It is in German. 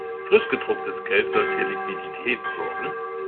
Frisch gedrucktes Geld soll für Liquidität sorgen.